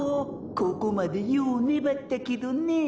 ここまでようねばったけどね。